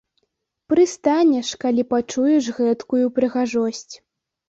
Прыстанеш, калі пачуеш гэткую прыгожасць.